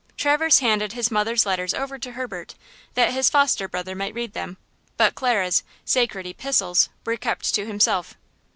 Traverse handed his mother's letters over to Herbert, that his foster brother might read them, but Clara's "sacred epistles" were kept to himself.